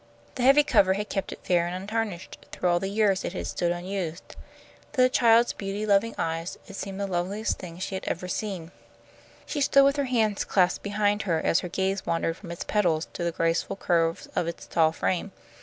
The heavy cover had kept it fair and untarnished through all the years it had stood unused. To the child's beauty loving eyes it seemed the loveliest thing she had ever seen. She stood with her hands clasped behind her as her gaze wandered from its pedals to the graceful curves of its tall frame.